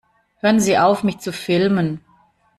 Hören Sie auf, mich zu filmen!